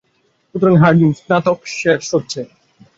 সুতরাং, হার্ডিন, স্নাতক শেষ হচ্ছে।